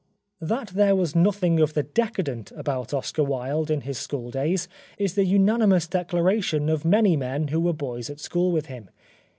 That there was nothing of the decadent about Oscar Wilde in his school days is the ananimous declaration of many men who were boys at school with him.